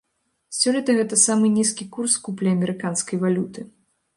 Сёлета гэта самы нізкі курс куплі амерыканскай валюты.